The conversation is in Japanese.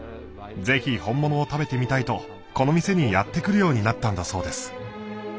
ぜひ本物を食べてみたいとこの店にやって来るようになったんだそうです。